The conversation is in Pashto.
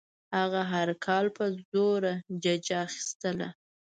هغه هر کال په زوره ججه اخیستله.